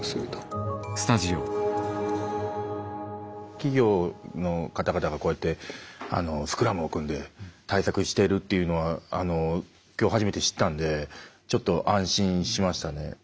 企業の方々がこうやってスクラムを組んで対策してるというのは今日初めて知ったんでちょっと安心しましたね。